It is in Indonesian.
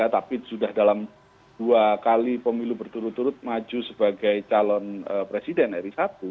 tapi sudah dalam dua kali pemilu berturut turut maju sebagai calon presiden ri satu